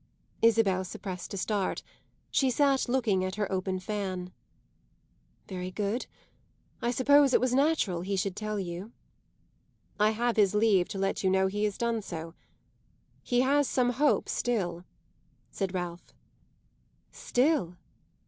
Isabel suppressed a start; she sat looking at her open fan. "Very good; I suppose it was natural he should tell you." "I have his leave to let you know he has done so. He has some hope still," said Ralph. "Still?"